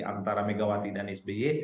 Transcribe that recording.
antara megawati dan sby